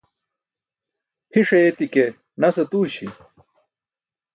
Phi̇ṣ ayeti̇ ke nas atuuśi̇.